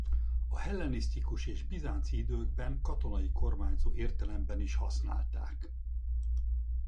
A hellenisztikus és bizánci időkben katonai kormányzó értelemben is használták.